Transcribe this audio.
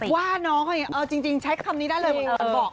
ว่าน้องเขาอย่างงี้จริงใช้คำนี้ได้เลยหมอบอก